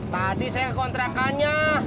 tadi saya kontrakannya